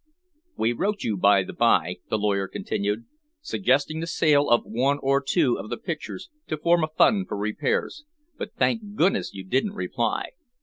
"We wrote you, by the by," the lawyer continued, "suggesting the sale of one or two of the pictures, to form a fund for repairs, but thank goodness you didn't reply!